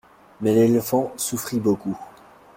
Mais l'éléphant souffrit beaucoup.